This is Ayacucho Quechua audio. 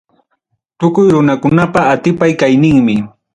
Tukuy runakunapa atipay kayninmi.